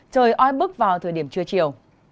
trời oi bức vào thời điểm trưa chiều